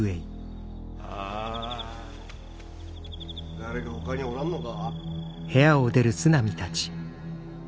誰かほかにおらぬのか。